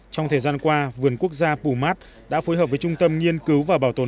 trong thời gian qua vườn quốc gia pù mát đã phối hợp với trung tâm nghiên cứu và bảo tồn